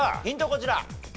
こちら。